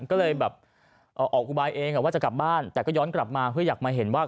ก็เลยแบบออกอุบายเองว่าจะกลับบ้านแต่ก็ย้อนกลับมาเพื่ออยากมาเห็นว่า